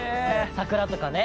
「桜とかね